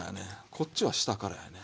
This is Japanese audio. こっちは下からやね。